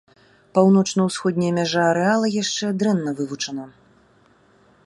Паўночна-ўсходняя мяжа арэала яшчэ дрэнна вывучана.